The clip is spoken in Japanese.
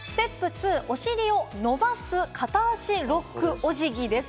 ステップ２、お尻を伸ばす片脚ロックおじぎです。